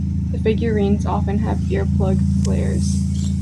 The figurines often have earplug flares.